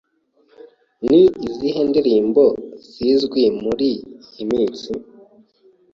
Ni izihe ndirimbo zizwi muri iyi minsi?